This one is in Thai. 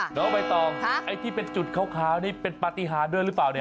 แล้วไปต่อไอ้ที่เป็นจุดค้าวนี่เป็นปฏิหารด้วยหรือเปล่า